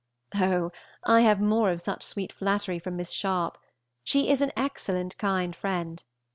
Oh! I have more of such sweet flattery from Miss Sharp. She is an excellent kind friend.